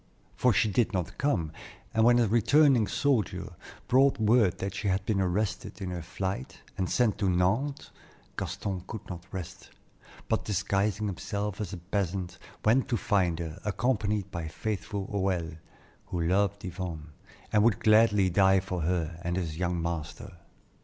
For she did not come, and when a returning soldier brought word that she had been arrested in her flight, and sent to Nantes, Gaston could not rest, but disguising himself as a peasant, went to find her, accompanied by faithful Hoël, who loved Yvonne, and would gladly die for her and his young master.